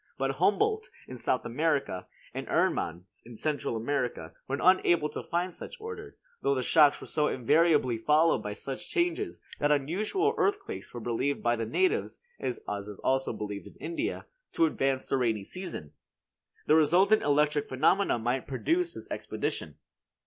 But Humboldt, in South America, and Ehrmann, in Central America, were unable to find such order; though the shocks were so invariably followed by such changes that unusual earthquakes were believed by the natives (as is also believed in India) to advance the rainy season. The resultant electric phenomena might produce this expedition.